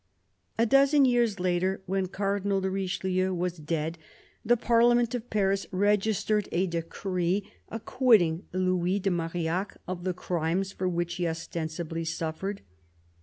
A dozen years later, when Cardinal de Richelieu was dead, the Parliament of Paris registered a decree acquitting Louis de Marillac of the crimes for which he ostensibly suffered.